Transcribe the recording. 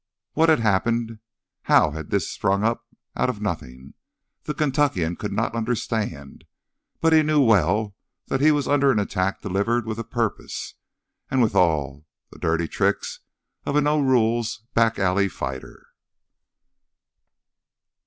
What had happened, how this had sprung up out of nothing, the Kentuckian could not understand. But he knew well that he was under an attack delivered with a purpose, and with all the dirty tricks of a no rules, back alley fighter.